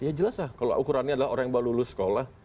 ya jelas lah kalau ukurannya adalah orang yang baru lulus sekolah